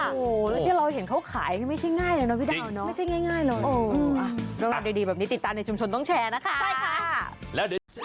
แล้วนี่เราเห็นเขาขายยังไม่ใช่ง่ายเลยนะพี่ดาว